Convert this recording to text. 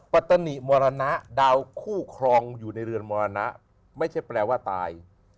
ปัตนิมรณะดาวคู่ครองอยู่ในเรือนมรณะไม่ใช่แปลว่าตาย